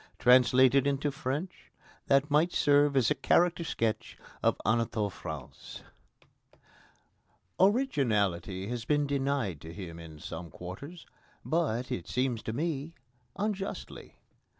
Translated into French, that might serve as a character sketch of Anatole France. Originality has been denied to him in some quarters, but, it seems to me, unjustly.